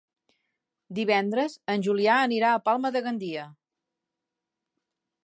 Divendres en Julià anirà a Palma de Gandia.